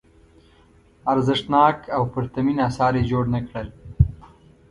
ارزښتناک او پرتمین اثار یې جوړ نه کړل.